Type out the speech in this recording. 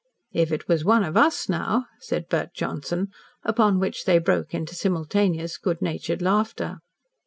"If it was one of US, now," said Bert Johnson. Upon which they broke into simultaneous good natured laughter.